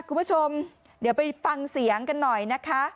คุณผู้ชมเดี๋ยวไปฟังเสียงกันหน่อยนะคะ